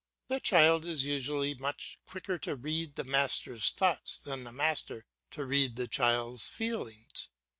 The child is usually much quicker to read the master's thoughts than the master to read the child's feelings.